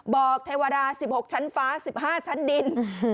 เทวดา๑๖ชั้นฟ้า๑๕ชั้นดิน